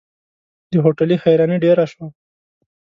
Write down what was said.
د هوټلي حيراني ډېره شوه.